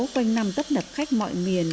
quanh năm tấp nập khách mọi miền